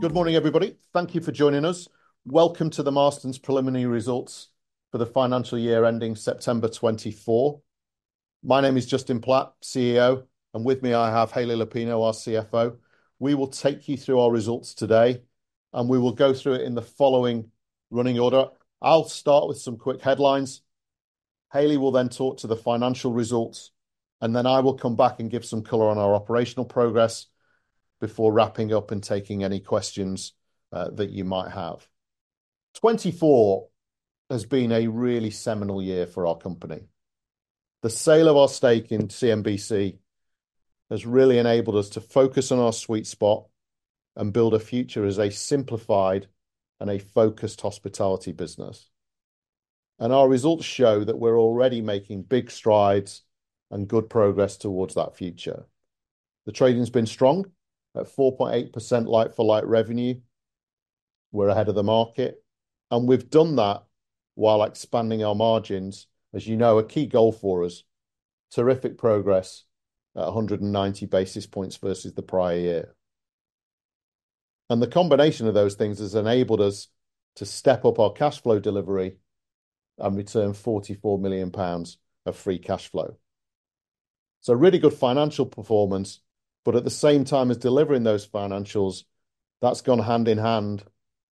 Good morning, everybody. Thank you for joining us. Welcome to the Marston's preliminary results for the financial year ending September 2024. My name is Justin Platt, CEO, and with me I have Hayleigh Lupino, our CFO. We will take you through our results today, and we will go through it in the following running order. I'll start with some quick headlines. Hayleigh will then talk to the financial results, and then I will come back and give some color on our operational progress before wrapping up and taking any questions that you might have. 2024 has been a really seminal year for our company. The sale of our stake in CMBC has really enabled us to focus on our sweet spot and build a future as a simplified and a focused hospitality business. And our results show that we're already making big strides and good progress towards that future. The trading's been strong at 4.8% like-for-like revenue. We're ahead of the market, and we've done that while expanding our margins, as you know, a key goal for us. Terrific progress at 190 basis points versus the prior year. And the combination of those things has enabled us to step up our cash flow delivery and return 44 million pounds of free cash flow. So really good financial performance, but at the same time as delivering those financials, that's gone hand in hand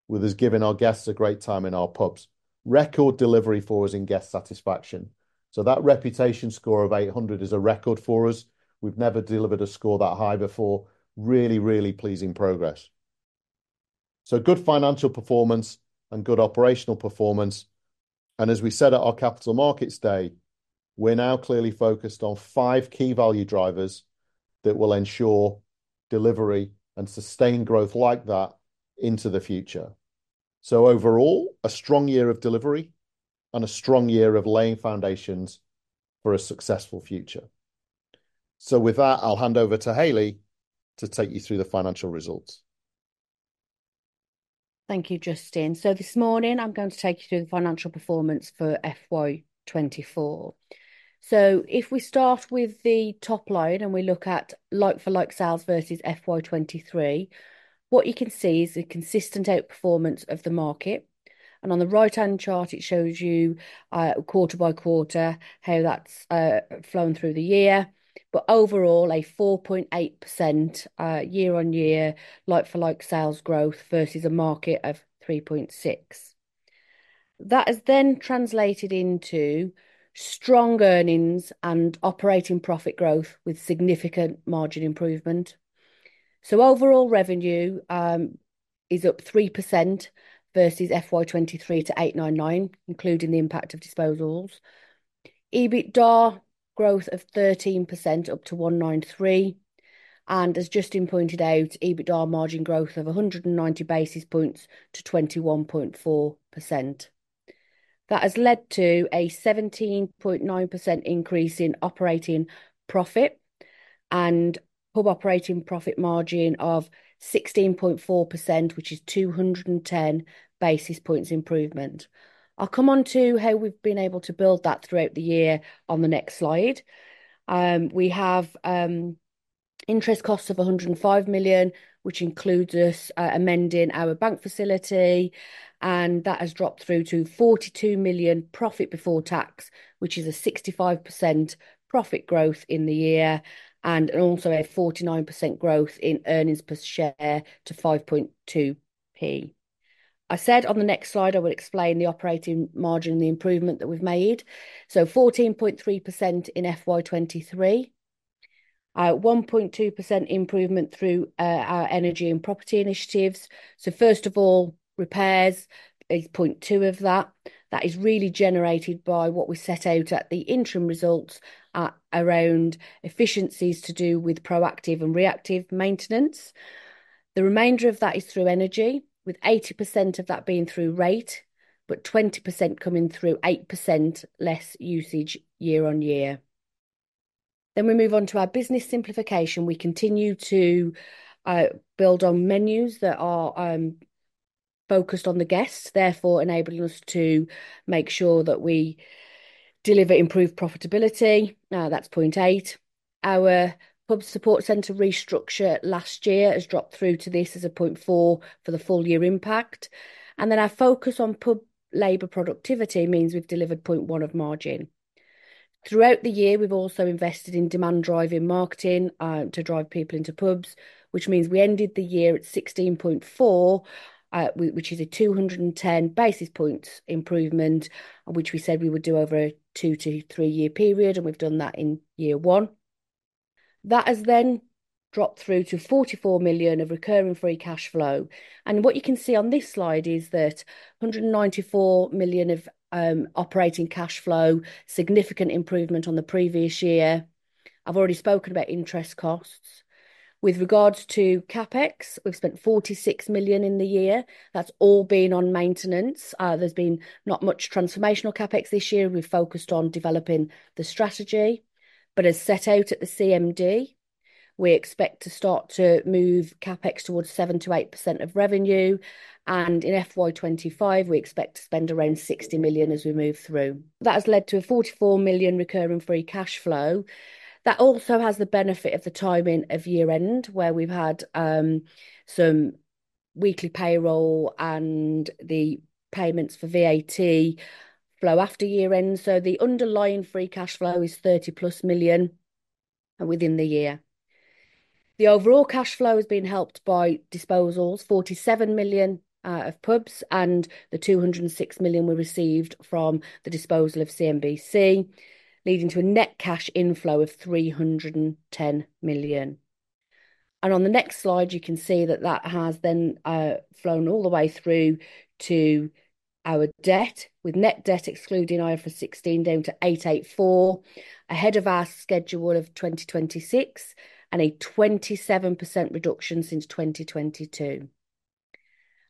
with us giving our guests a great time in our pubs. Record delivery for us in guest satisfaction. So that reputation score of 800 is a record for us. We've never delivered a score that high before. Really, really pleasing progress. So good financial performance and good operational performance. As we said at our Capital Markets Day, we're now clearly focused on five key value drivers that will ensure delivery and sustained growth like that into the future. Overall, a strong year of delivery and a strong year of laying foundations for a successful future. With that, I'll hand over to Hayleigh to take you through the financial results. Thank you, Justin. So this morning I'm going to take you through the financial performance for FY 2024. So if we start with the top line and we look at like-for-like sales versus FY 2023, what you can see is a consistent outperformance of the market. And on the right-hand chart, it shows you quarter by quarter how that's flown through the year. But overall, a 4.8% year-on-year like-for-like sales growth versus a market of 3.6%. That has then translated into strong earnings and operating profit growth with significant margin improvement. So overall revenue is up 3%, versus FY 2023, to 899 million, including the impact of disposals; EBITDA growth of 13%, up to 193 million; and as Justin pointed out, EBITDA margin growth of 190 basis points to 21.4%. That has led to a 17.9% increase in operating profit; and pub operating profit margin of 16.4%, which is 210 basis points improvement. I'll come on to how we've been able to build that throughout the year on the next slide. We have interest costs of 105 million, which includes us amending our bank facility, and that has dropped through to 42 million profit before tax, which is a 65% profit growth in the year, and also a 49% growth in earnings per share to 0.052. I said, on the next slide I would explain the operating margin and the improvement that we've made. So 14.3% in FY 2023, 1.2% improvement through our energy and property initiatives. So first of all, repairs is 0.2 of that. That is really generated by what we set out at the interim results around efficiencies to do with proactive and reactive maintenance. The remainder of that is through energy, with 80% of that being through rate but 20% coming through 8% less usage year-on-year. Then we move on to our business simplification. We continue to build on menus that are focused on the guests, therefore enabling us to make sure that we deliver improved profitability. That's 0.8%. Our pub support center restructure last year has dropped through to this as a 0.4% for the full year impact. And then our focus on pub labor productivity means we've delivered 0.1% of margin. Throughout the year, we've also invested in demand-driving marketing to drive people into pubs, which means we ended the year at 16.4%, which is a 210 basis points improvement and which we said we would do over a two-to-three-year period, and we've done that in year one. That has then dropped through to 44 million of recurring free cash flow. And what you can see on this slide is that 194 million of operating cash flow, significant improvement on the previous year. I've already spoken about interest costs. With regards to CapEx, we've spent 46 million in the year. That's all been on maintenance. There's been not much transformational CapEx this year. We've focused on developing the strategy. But as set out at the CMD, we expect to start to move CapEx towards 7%-8% of revenue. And in FY 2025, we expect to spend around 60 million as we move through. That has led to a 44 million recurring free cash flow. That also has the benefit of the timing of year-end, where we've had some weekly payroll and the payments for VAT flow after year-end. So the underlying free cash flow is 30 million+ within the year. The overall cash flow has been helped by disposals, 47 million of pubs and the 206 million we received from the disposal of CMBC, leading to a net cash inflow of 310 million. On the next slide, you can see that that has then flown all the way through to our debt, with net debt excluding IFRS 16 down to 884 million, ahead of our schedule of 2026 and a 27% reduction since 2022.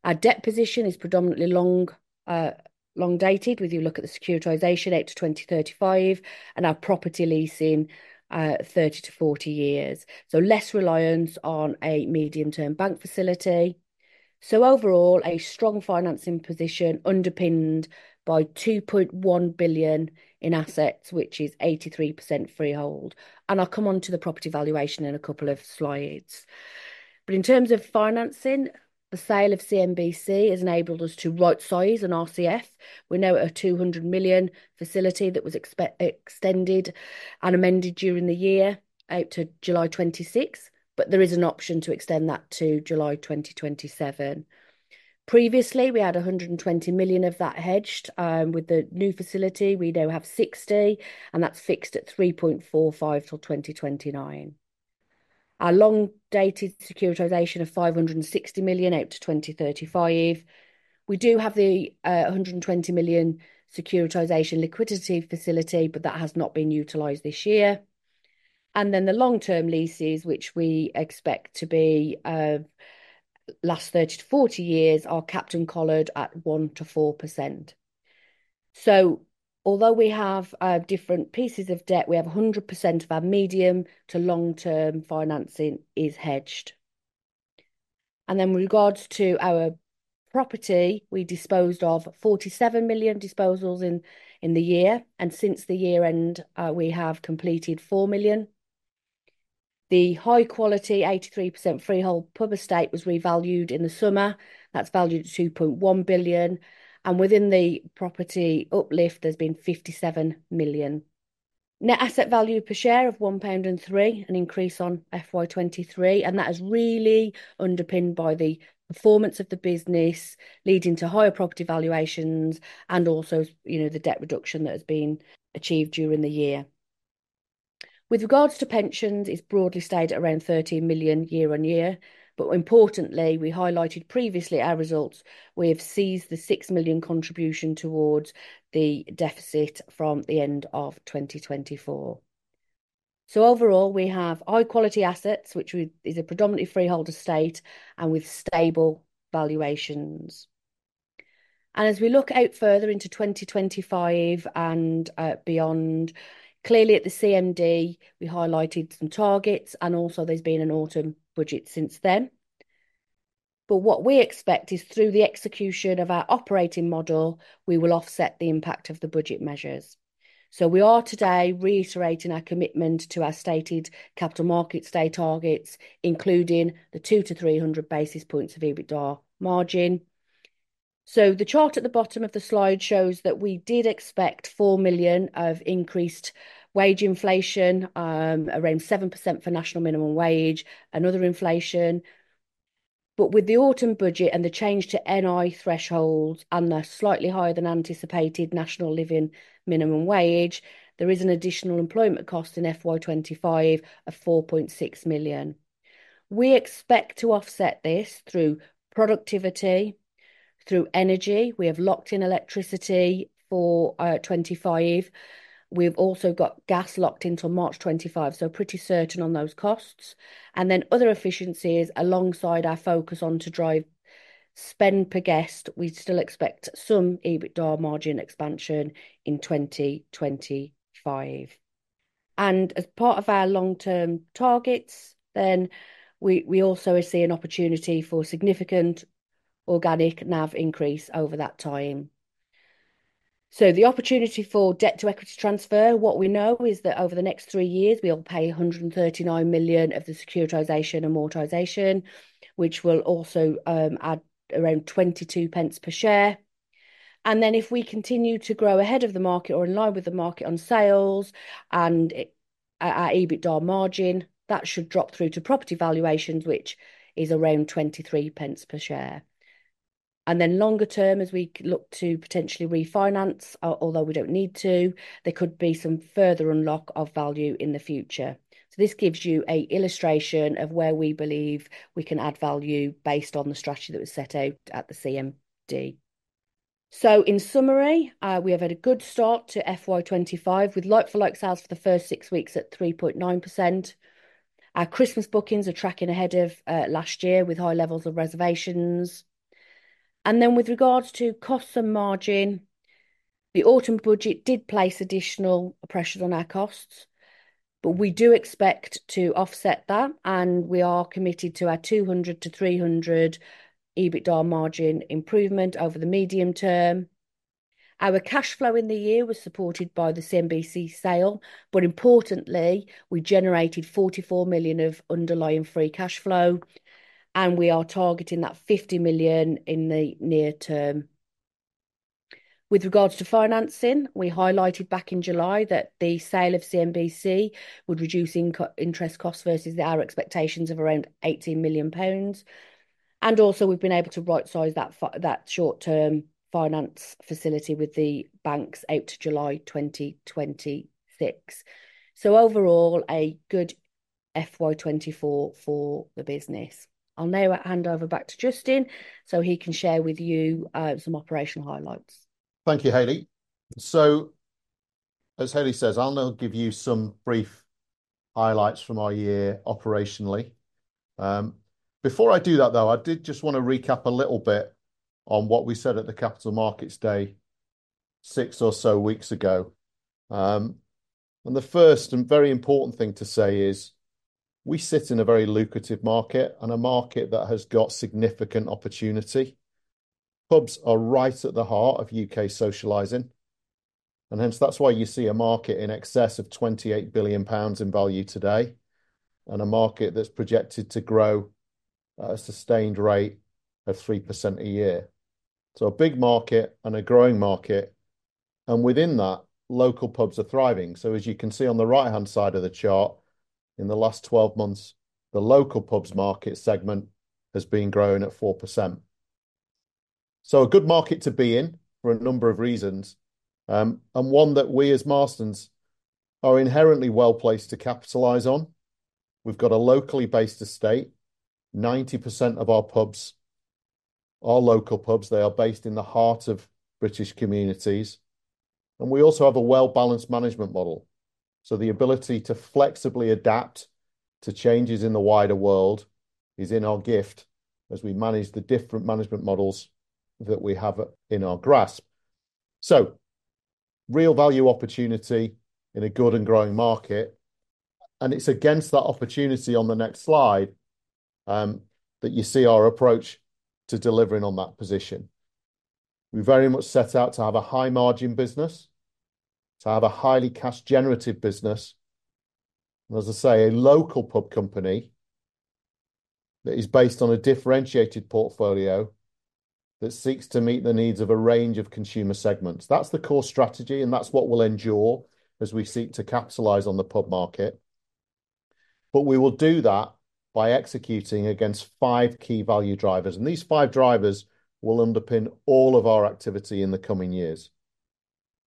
Our debt position is predominantly long-dated, with a look at the securitization out to 2035, and our property leasing 30-40 years, less reliance on a medium-term bank facility. Overall, a strong financing position underpinned by 2.1 billion in assets, which is 83% freehold. I'll come on to the property valuation in a couple of slides. In terms of financing, the sale of CMBC has enabled us to rightsize an RCF. We have a 200 million facility that was extended and amended during the year out to July 2026, but there is an option to extend that to July 2027. Previously, we had 120 million of that hedged. With the new facility, we now have 60 million, and that's fixed at 3.45% till 2029. Our long-dated securitization of 560 million out to 2035. We do have the 120 million securitization liquidity facility, but that has not been utilized this year, and then the long-term leases, which we expect to last 30-40 years, are capped and collared at 1%-4%, so although we have different pieces of debt, we have 100% of our medium- to long-term financing is hedged. And then with regards to our property, we disposed off 47 million disposals in the year, and since the year-end, we have completed 4 million. The high-quality 83% freehold pub estate was revalued in the summer. That's valued at 2.1 billion, and within the property uplift, there's been 57 million. Net asset value per share of 1.03 pound, an increase on FY 2023, and that is really underpinned by the performance of the business leading to higher property valuations and also, you know, the debt reduction that has been achieved during the year. With regards to pensions, it's broadly stayed at around 13 million year-on-year, but importantly, we highlighted previously our results. We have ceased the 6 million contribution towards the deficit from the end of 2024, so overall, we have high-quality assets, which is a predominantly freehold estate and with stable valuations. And as we look out further into 2025 and beyond, clearly at the CMD, we highlighted some targets, and also there's been an Autumn Budget since then. What we expect is, through the execution of our operating model, we will offset the impact of the budget measures. We are today reiterating our commitment to our stated Capital Markets Day targets, including the 200-300 basis points of EBITDA margin. The chart at the bottom of the slide shows that we did expect 4 million of increased wage inflation, around 7% for National Minimum Wage, and other inflation. With the Autumn Budget and the change to NI thresholds and the slightly higher-than-anticipated National Living Wage, there is an additional employment cost in FY 2025 of 4.6 million. We expect to offset this through productivity, through energy. We have locked in electricity for 2025. We have also got gas locked in till March 2025, so pretty certain on those costs. And then other efficiencies alongside our focus on to drive spend per guest, we still expect some EBITDA margin expansion in 2025. And as part of our long-term targets, then we also see an opportunity for significant organic NAV increase over that time. So the opportunity for debt-to-equity transfer, what we know is that over the next three years, we'll pay 139 million of the securitization amortization, which will also add around 0.22 per share. And then if we continue to grow ahead of the market or in line with the market on sales and our EBITDA margin, that should drop through to property valuations, which is around 0.23 per share. And then longer term, as we look to potentially refinance, although we don't need to, there could be some further unlock of value in the future. So this gives you an illustration of where we believe we can add value based on the strategy that was set out at the CMD. So in summary, we have had a good start to FY 2025 with like-for-like sales for the first six weeks at 3.9%. Our Christmas bookings are tracking ahead of last year with high levels of reservations. And then with regards to costs and margin, the autumn budget did place additional pressure on our costs, but we do expect to offset that. And we are committed to our 200 to 300 EBITDA margin improvement over the medium term. Our cash flow in the year was supported by the CMBC sale, but importantly, we generated 44 million of underlying free cash flow, and we are targeting that 50 million in the near term. With regards to financing, we highlighted back in July that the sale of CMBC would reduce interest costs versus our expectations of around 18 million pounds. And also, we've been able to rightsize that short-term finance facility with the banks out to July 2026, so overall, a good FY 2024 for the business. I'll now hand over back to Justin so he can share with you some operational highlights. Thank you, Hayleigh. So as Hayleigh says, I'll now give you some brief highlights from our year operationally. Before I do that, though, I did just want to recap a little bit on what we said at the Capital Markets Day six or so weeks ago. And the first and very important thing to say is we sit in a very lucrative market and a market that has got significant opportunity. Pubs are right at the heart of U.K. socializing. And hence, that's why you see a market in excess of 28 billion pounds in value today and a market that's projected to grow at a sustained rate of 3% a year. So a big market and a growing market. And within that, local pubs are thriving. So as you can see on the right-hand side of the chart, in the last 12 months, the local pubs market segment has been growing at 4%. So a good market to be in for a number of reasons and one that we as Marston's are inherently well placed to capitalize on. We've got a locally based estate. 90% of our pubs are local pubs. They are based in the heart of British communities. And we also have a well-balanced management model. So the ability to flexibly adapt to changes in the wider world is in our gift as we manage the different management models that we have in our grasp. So real value opportunity in a good and growing market. And it's against that opportunity, on the next slide, that you see our approach to delivering on that position. We very much set out to have a high-margin business, to have a highly cash-generative business, and as I say, a local pub company that is based on a differentiated portfolio that seeks to meet the needs of a range of consumer segments. That's the core strategy, and that's what will endure as we seek to capitalize on the pub market, but we will do that by executing against five key value drivers. And these five drivers will underpin all of our activity in the coming years.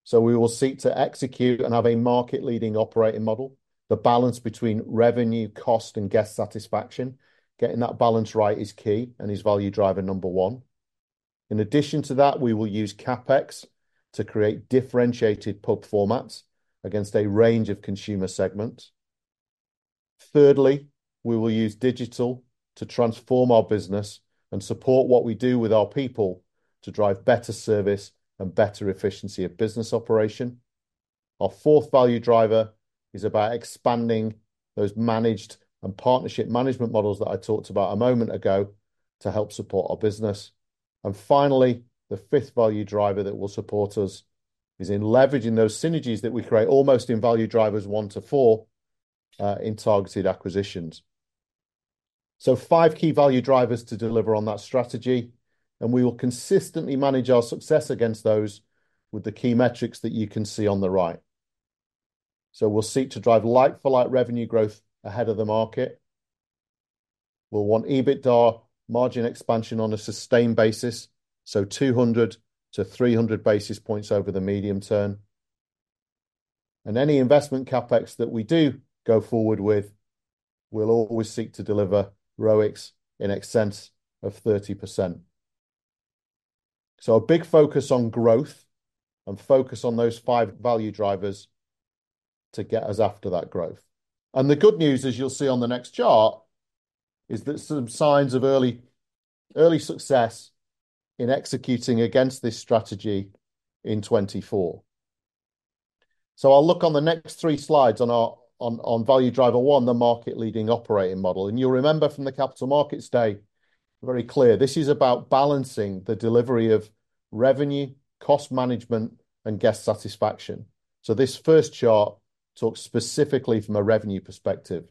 So we will seek to execute and have a market-leading operating model, the balance between revenue, cost, and guest satisfaction. Getting that balance right is key and is value driver number one. In addition to that, we will use CapEx to create differentiated pub formats against a range of consumer segments. Thirdly, we will use digital to transform our business and support what we do with our people to drive better service and better efficiency of business operation. Our fourth value driver is about expanding those managed and partnership management models that I talked about a moment ago to help support our business, and finally, the fifth value driver that will support us is in leveraging those synergies that we create almost in value drivers one to four in targeted acquisitions. So five key value drivers to deliver on that strategy, and we will consistently manage our success against those with the key metrics that you can see on the right, so we'll seek to drive like-for-like revenue growth ahead of the market. We'll want EBITDA margin expansion on a sustained basis, so 200 to 300 basis points over the medium term. And any investment CapEx that we do go forward with, we'll always seek to deliver ROICs in excess of 30%. So a big focus on growth and focus on those five value drivers to get us after that growth. And the good news, as you'll see on the next chart, is that some signs of early success in executing against this strategy in 2024. So I'll look on the next three slides on value driver one, the market-leading operating model. And you'll remember from the Capital Markets Day very clear, this is about balancing the delivery of revenue, cost management, and guest satisfaction. So this first chart talks specifically from a revenue perspective.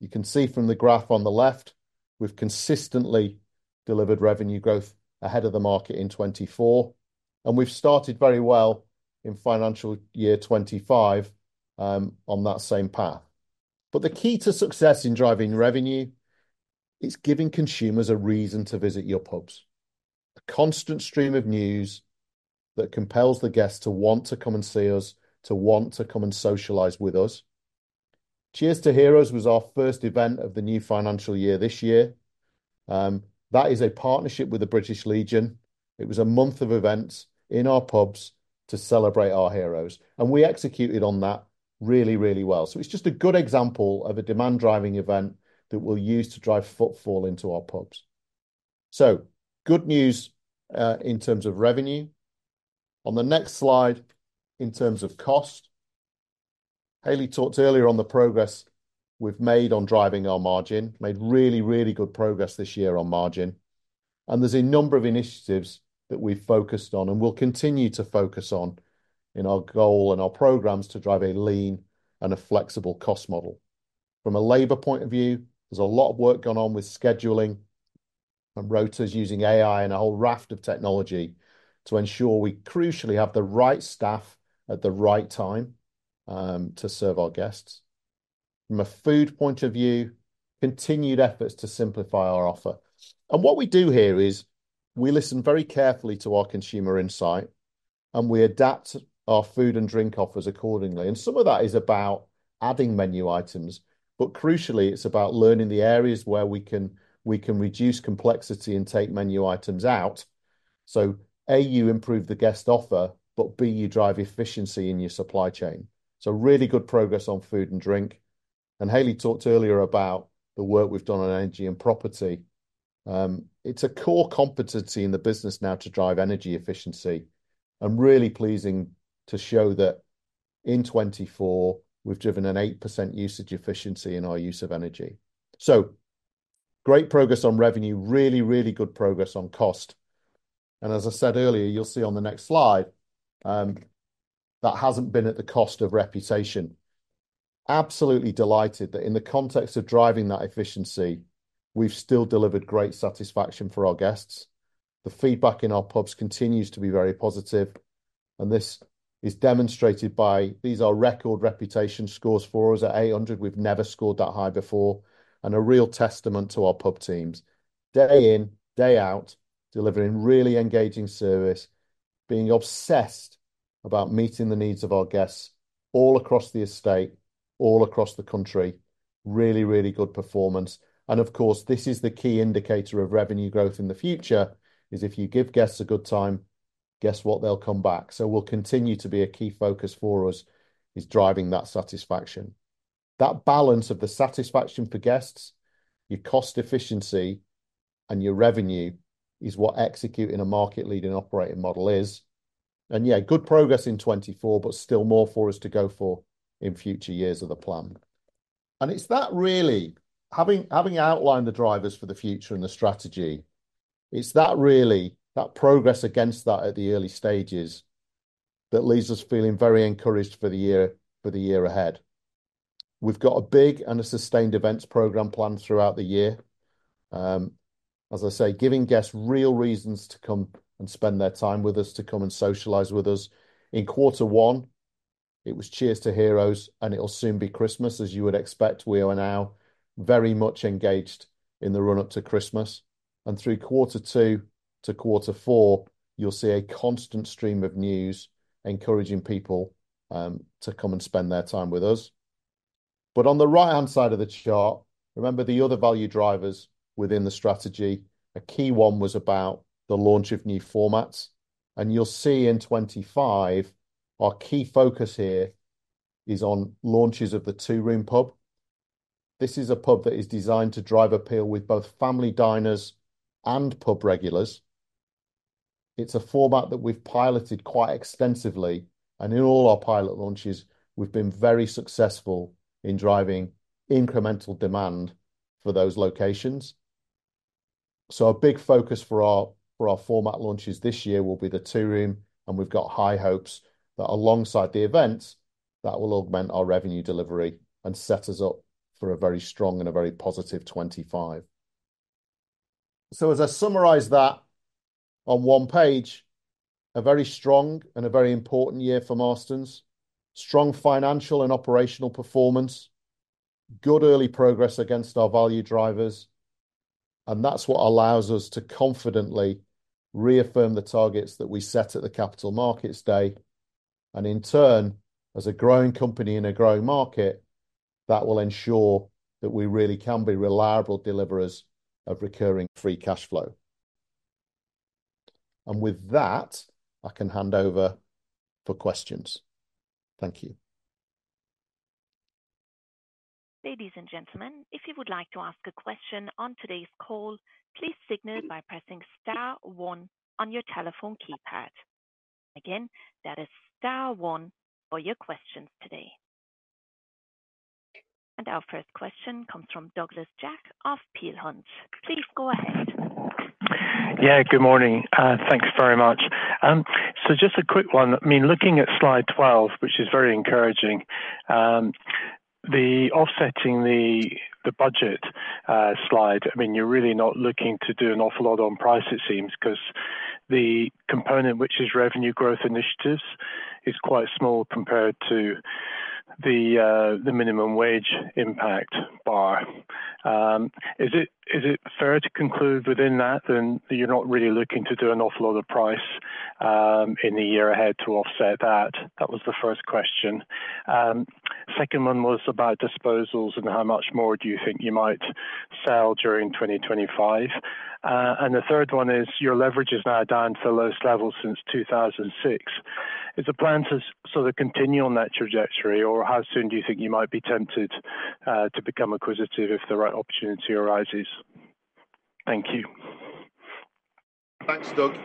You can see from the graph on the left we've consistently delivered revenue growth ahead of the market in 2024, and we've started very well in financial year 2025 on that same path. The key to success in driving revenue is giving consumers a reason to visit your pubs, a constant stream of news that compels the guests to want to come and see us, to want to come and socialize with us. Cheers to Heroes was our first event of the new financial year this year. That is a partnership with the British Legion. It was a month of events in our pubs to celebrate our heroes. We executed on that really, really well. It's just a good example of a demand-driving event that we'll use to drive footfall into our pubs. Good news in terms of revenue. On the next slide, in terms of cost, Hayleigh talked earlier on the progress we've made on driving our margin, made really, really good progress this year on margin. There's a number of initiatives that we've focused on and will continue to focus on in our goal and our programs to drive a lean and a flexible cost model. From a labor point of view, there's a lot of work going on with scheduling and rosters using AI and a whole raft of technology to ensure we crucially have the right staff at the right time to serve our guests. From a food point of view, continued efforts to simplify our offer. What we do here is we listen very carefully to our consumer insight, and we adapt our food and drink offers accordingly. Some of that is about adding menu items, but crucially, it's about learning the areas where we can reduce complexity and take menu items out. A, you improve the guest offer, but b, you drive efficiency in your supply chain. Really good progress on food and drink. Hayleigh talked earlier about the work we've done on energy and property. It's a core competency in the business now to drive energy efficiency. I'm really pleased to show that in, 2024, we've driven an 8% usage efficiency in our use of energy. Great progress on revenue, really, really good progress on cost. As I said earlier, you'll see on the next slide that hasn't been at the cost of reputation. Absolutely delighted that in the context of driving that efficiency, we've still delivered great satisfaction for our guests. The feedback in our pubs continues to be very positive. This is demonstrated by these are record reputation scores for us at 800. We've never scored that high before. And a real testament to our pub teams, day in, day out, delivering really engaging service, being obsessed about meeting the needs of our guests all across the estate, all across the country. Really, really good performance. And of course, this is the key indicator of revenue growth in the future, is if you give guests a good time, guess what, they'll come back. So will continue to be a key focus for us is driving that satisfaction. That balance of the satisfaction for guests, your cost efficiency, and your revenue is what executing a market-leading operating model is. And yeah, good progress in 2024, but still more for us to go for in future years of the plan. It's that really having outlined the drivers for the future and the strategy. It's that really that progress against that at the early stages that leaves us feeling very encouraged for the year ahead. We've got a big and a sustained events program planned throughout the year. As I say, giving guests real reasons to come and spend their time with us, to come and socialize with us. In quarter one, it was Cheers to Heroes. And it'll soon be Christmas, as you would expect. We are now very much engaged in the run-up to Christmas. And through quarter two to quarter four, you'll see a constant stream of news encouraging people to come and spend their time with us. But on the right-hand side of the chart, remember the other value drivers within the strategy. A key one was about the launch of new formats. And you'll see in 2025 our key focus here is on launches of the two-room pub. This is a pub that is designed to drive appeal with both family diners and pub regulars. It's a format that we've piloted quite extensively. And in all our pilot launches, we've been very successful in driving incremental demand for those locations. So a big focus for our format launches this year will be the two-room, and we've got high hopes that, alongside the events, that will augment our revenue delivery and set us up for a very strong and a very positive 2025. So as I summarize that on one page, a very strong and a very important year for Marston's, strong financial and operational performance, good early progress against our value drivers. And that's what allows us to confidently reaffirm the targets that we set at the Capital Markets Day. And in turn, as a growing company in a growing market, that will ensure that we really can be reliable deliverers of recurring free cash flow. And with that, I can hand over for questions. Thank you. Ladies and gentlemen, if you would like to ask a question on today's call, please signal by pressing star one on your telephone keypad. Again, that is star one for your questions today. And our first question comes from Douglas Jack of Peel Hunt. Please go ahead. Yeah, good morning. Thanks very much. So just a quick one. I mean, looking at slide 12, which is very encouraging, the offsetting the budget slide, I mean, you're really not looking to do an awful lot on price, it seems, because the component, which is revenue growth initiatives, is quite small compared to the minimum wage impact bar. Is it fair to conclude within that then that you're not really looking to do an awful lot of price in the year ahead to offset that? That was the first question. Second one was about disposals and how much more do you think you might sell during 2025. And the third one is your leverage is now down to the lowest level since 2006. Is the plan to sort of continue on that trajectory? Or how soon do you think you might be tempted to become acquisitive if the right opportunity arises? Thank you. Thanks, Doug.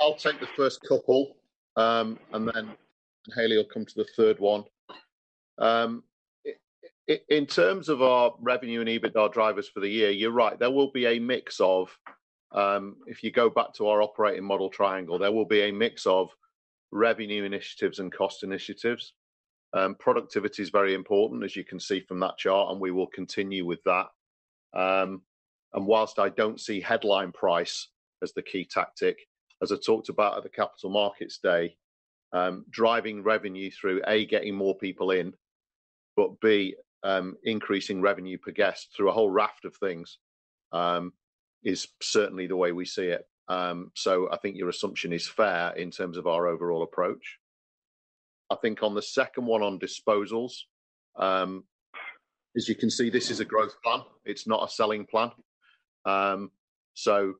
I'll take the first couple, and then Hayleigh will come to the third one. In terms of our revenue and EBITDA drivers for the year, you're right. There will be a mix of, if you go back to our operating model triangle, there will be a mix of revenue initiatives and cost initiatives. Productivity is very important, as you can see from that chart, and we will continue with that. And while I don't see headline price as the key tactic, as I talked about at the Capital Markets Day, driving revenue through, a, getting more people in, but b, increasing revenue per guest through a whole raft of things is certainly the way we see it. So I think your assumption is fair in terms of our overall approach. I think, on the second one, on disposals, as you can see, this is a growth plan. It's not a selling plan. So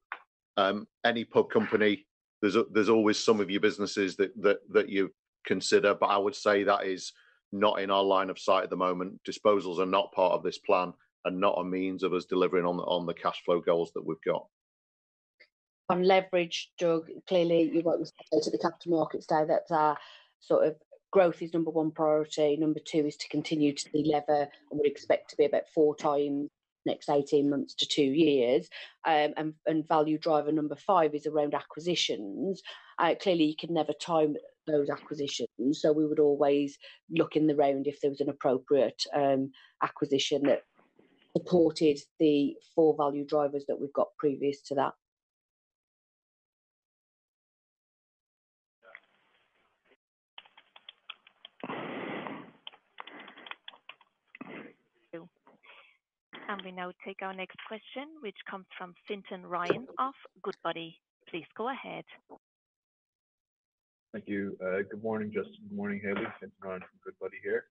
any pub company, there's always some of your businesses that you consider, but I would say that is not in our line of sight at the moment. Disposals are not part of this plan and not a means of us delivering on the cash flow goals that we've got. On leverage, Doug, clearly you've obviously heard at the Capital Markets Day that sort of growth is number one priority. Number two is to continue to delever, and we expect to be about 4x next 18 months to two years. And value driver number five is around acquisitions. Clearly, you can never time those acquisitions. So we would always look in the round if there was an appropriate acquisition that supported the four value drivers that we've got previous to that. And we now take our next question, which comes from Fintan Ryan of Goodbody. Please go ahead. Thank you. Good morning, Justin. Good morning, Hayleigh. Fintan Ryan from Goodbody here.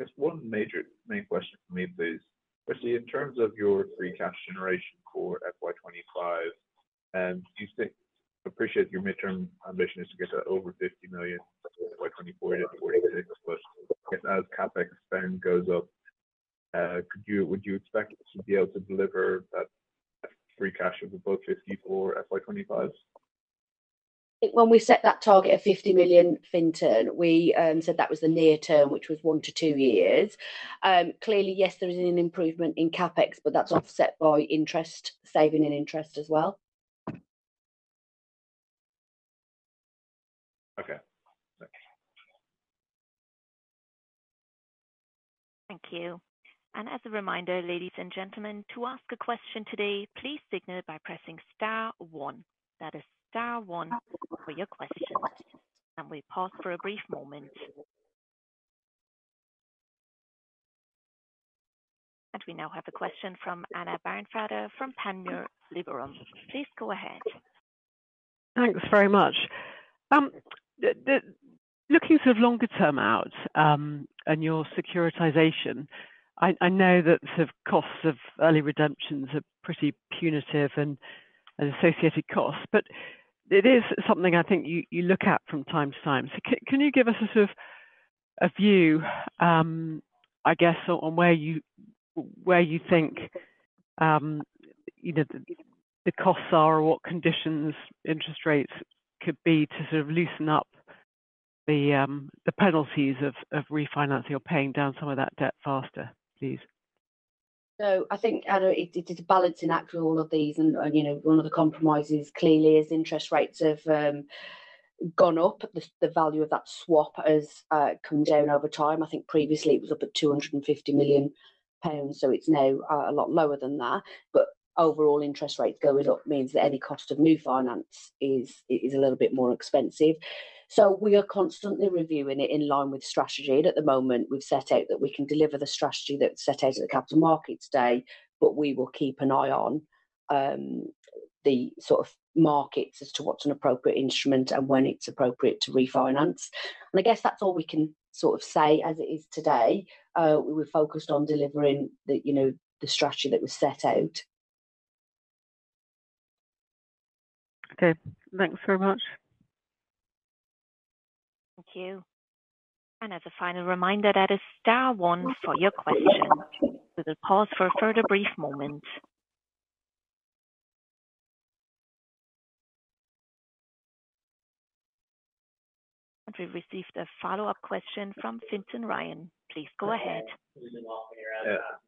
Just one major main question for me, please. Obviously, in terms of your free cash generation for FY 2025, I appreciate your midterm ambition is to get that over 50 million [by 2024 to 2026], but I guess as CapEx spend goes up, would you expect to be able to deliver that free cash flow above 50 million for FY 2025? When we set that target of 50 million, Fintan, we said that was the near term, which was one-two years. Clearly, yes, there is an improvement in CapEx, but that's offset by interest, saving in interest, as well. Okay. Thank you. And as a reminder, ladies and gentlemen, to ask a question today, please signal by pressing star one. That is star one for your questions. And we pause for a brief moment. And we now have a question from Anna Barnfather from Panmure Liberum. Please go ahead. Thanks very much. Looking sort of longer term out and your securitization, I know that sort of costs of early redemptions are pretty punitive, and associated costs, but it is something I think you look at from time to time. So can you give us a sort of view, I guess, on where you think the costs are or what conditions interest rates could be to sort of loosen up the penalties of refinancing or paying down some of that debt faster, please? I think, Anna, it is a balancing act for all of these. One of the compromises clearly is interest rates have gone up. The value of that swap has come down over time. I think previously it was up at 250 million pounds, so it's now a lot lower than that. Overall, interest rates going up means that any cost of new finance is a little bit more expensive. We are constantly reviewing it in line with strategy. At the moment, we've set out that we can deliver the strategy that's set out at the Capital Markets Day, but we will keep an eye on the sort of markets as to what's an appropriate instrument and when it's appropriate to refinance. I guess that's all we can sort of say as it is today. We're focused on delivering the strategy that was set out. Okay. Thanks very much. Thank you. And as a final reminder, that is star one for your questions. We will pause for a further brief moment. And we received a follow-up question from Fintan Ryan. Please go ahead.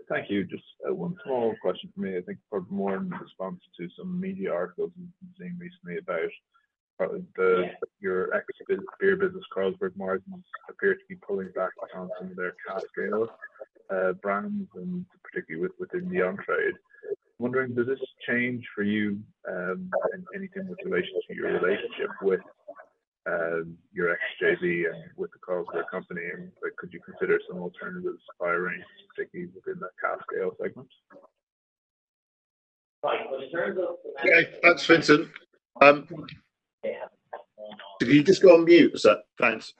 Thank you. Just one small question for me. I think more in response to some media articles we've been seeing recently about your ex-beer business, Carlsberg Marston's, appear to be pulling back on some of their cask ale brands, and particularly within the on-trade. I'm wondering. Does this change for you anything with relation to your relationship with your ex-JV and with the Carlsberg company? And could you consider some alternative, particularly within that cask ale segment? Yeah, thanks, Fintan. Could you just go on mute? Thanks.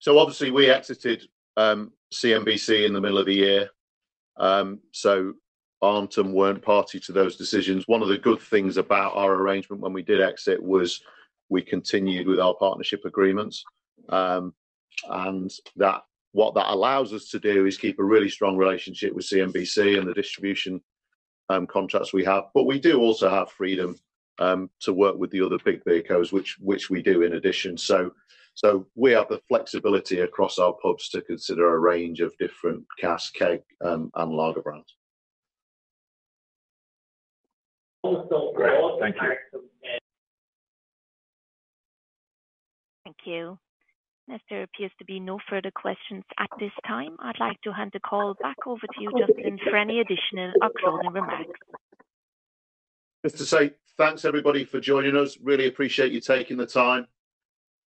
So obviously, we exited CMBC in the middle of the year, so weren't party to those decisions. One of the good things about our arrangement when we did exit was we continued with our partnership agreements. And what that allows us to do is keep a really strong relationship with CMBC and the distribution contracts we have, but we do also have freedom to work with the other big [vehicles], which we do in addition. So we have the flexibility across our pubs to consider a range of different cask and lager brands. Thank you. Thank you. And as there appears to be no further questions at this time, I'd like to hand the call back over to you, Justin, for any additional or closing remarks. Just to say thanks, everybody, for joining us. Really appreciate you taking the time.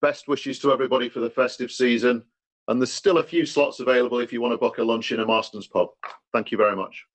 Best wishes to everybody for the festive season. And there's still a few slots available if you want to book a lunch in a Marston's pub. Thank you very much.